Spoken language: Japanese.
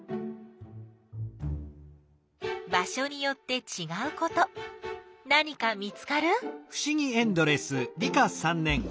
場所によってちがうこと何か見つかる？